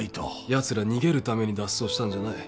やつら逃げるために脱走したんじゃない。